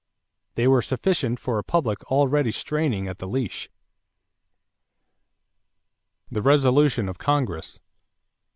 They were sufficient for a public already straining at the leash. =The Resolution of Congress.